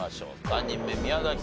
３人目宮崎さん